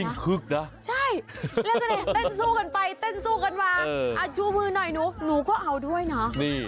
มันคึกนะใช่แล้วก็เนี่ยเต้นสู้กันไปเต้นสู้กันมาชูมือหน่อยหนูหนูก็เอาด้วยเนาะ